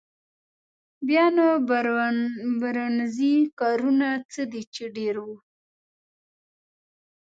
بیا نو برونزي کارونه څه دي چې ډېر وو.